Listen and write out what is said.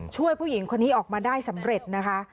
ช่วยผู้หญิงคนนี้ออกมาได้สำเร็จนะคะ